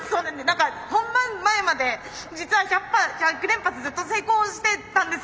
何か本番前まで実は１００羽１００連発ずっと成功してたんです。